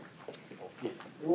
うわ。